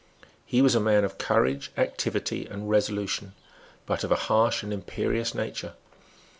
He was a man of courage, activity and resolution, but of a harsh and imperious nature.